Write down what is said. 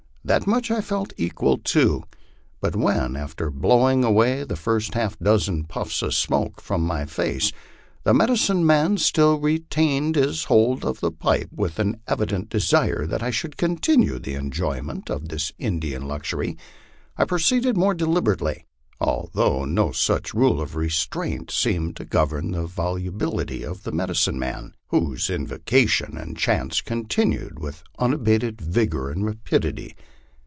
That much I felt equal to ; but when, after blowing away the first half dozen puffs of smoke from my face, the medicine man still retained his hold of the pipe, with an evident de sire that I should continue the enjoyment of this Indian luxury, I proceeded more deliberately, although no such rule of restraint seemed to govern the vol ubility of the medicine man, whose invocation and chants continued with una bated vigor and rapidity.